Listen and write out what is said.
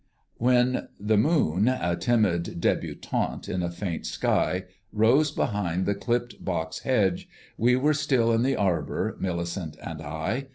When the moon, a timid débutante in a faint sky, rose behind the clipped boxhedge, we were still in the arbour, Millicent and I.